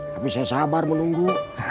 tapi saya sabar menunggu